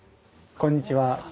こんにちは。